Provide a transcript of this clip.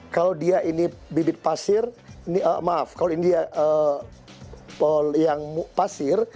kalau dia ini bibit pasir maaf kalau ini dia yang pasir